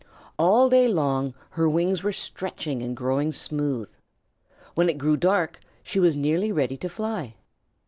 All day long her wings were stretching and growing smooth. When it grew dark she was nearly ready to fly.